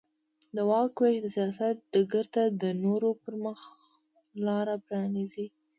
د واک وېش د سیاست ډګر ته د نورو پرمخ لار پرانېزي.